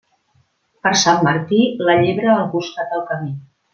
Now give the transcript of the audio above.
Per Sant Martí, la llebre al costat del camí.